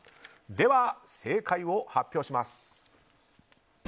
では、正解を発表します。